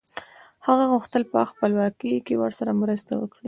هغه غوښتل په خپلواکۍ کې ورسره مرسته وکړي.